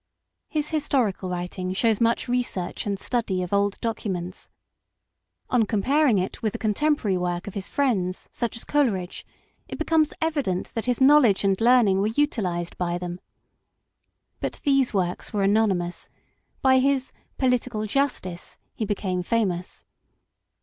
His historical writing shows much research and study of old documents. On comparing it with the con temporary work of his friends, such as Coleridge, it becomes evident that his knowledge and learning were utilized by them. But these works were anony mous ; by his Political Justice he became famous.